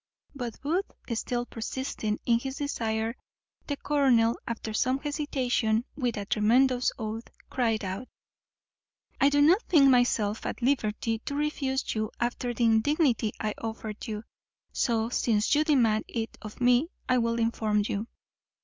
But Booth still persisting in his desire, the colonel, after some hesitation, with a tremendous oath, cried out, "I do not think myself at liberty to refuse you after the indignity I offered you; so, since you demand it of me, I will inform you.